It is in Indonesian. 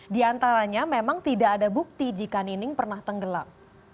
di antaranya memang tidak ada bukti jika nining pernah tenggelam